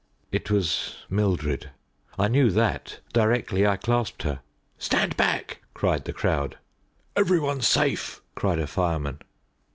It was Mildred. I knew that directly I clasped her. "Stand back," cried the crowd. "Every one's safe," cried a fireman.